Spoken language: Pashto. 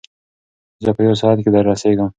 زه په یو ساعت کې در رسېږم.